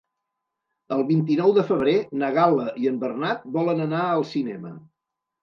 El vint-i-nou de febrer na Gal·la i en Bernat volen anar al cinema.